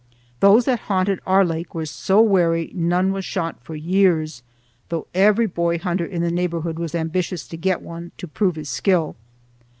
Those that haunted our lake were so wary none was shot for years, though every boy hunter in the neighborhood was ambitious to get one to prove his skill.